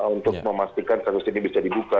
untuk memastikan kasus ini bisa dibuka